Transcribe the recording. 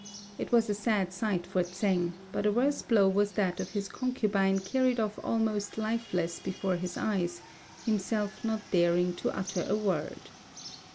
It was a sad sight for Tsêng; but a worse blow was that of his concubine carried off almost lifeless before his eyes, himself not daring to utter a word.